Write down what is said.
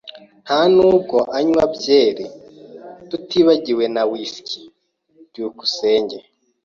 Nta nubwo anywa byeri, tutibagiwe na whisky. byukusenge